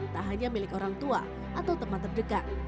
tak hanya milik orang tua atau teman terdekat